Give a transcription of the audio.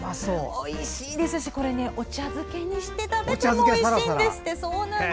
おいしいですしお茶漬けにして食べてもおいしいんですって。